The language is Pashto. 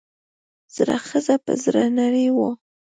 زړه ښځه پۀ زړۀ نرۍ وه ـ